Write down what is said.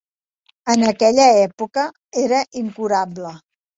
En aquella època era incurable.